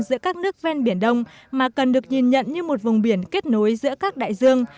giữa các nước ven biển đông mà cần được nhìn nhận như một vùng biển kết nối giữa các đại dương